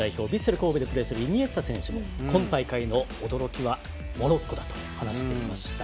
神戸に所属するイニエスタ選手も今大会の驚きはモロッコだと話していました。